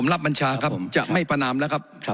รับบัญชาครับจะไม่ประนามแล้วครับ